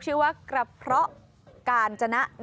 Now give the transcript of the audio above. ชื่อว่ากระเพาะกาญจนะ